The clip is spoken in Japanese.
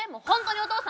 お父さん！